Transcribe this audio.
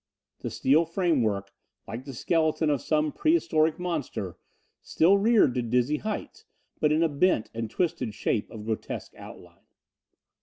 The steel framework, like the skeleton of some prehistoric monster, still reared to dizzy heights but in a bent and twisted shape of grotesque outline.